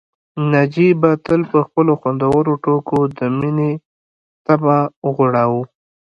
ناجيې به تل په خپلو خوندورو ټوکو د مينې طبع وغوړاوه